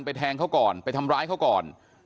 แทงเขาก่อนไปทำร้ายเขาก่อน